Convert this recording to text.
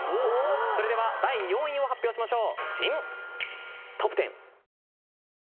それでは第４位を発表しましょう。